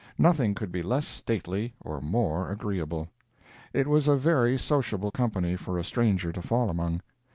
Nothing could be less stately or more agreeable. It was a very sociable company for a stranger to fall among.